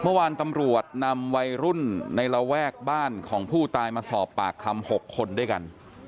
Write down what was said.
เมื่อวานตำรวจนำวัยรุ่นในระแวกบ้านของผู้ตายมาสอบปากคำ๖คนด้วยกัน